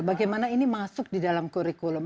bagaimana ini masuk di dalam kurikulum